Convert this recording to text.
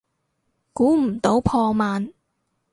估唔到破万